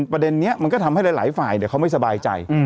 ประเด็นนี้มันก็ทำให้หลายฝ่ายเขาไม่สบายใจ